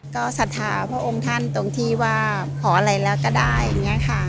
ก็ศรัทธาพระองค์ท่านตรงที่ว่าขออะไรแล้วก็ได้อย่างนี้ค่ะ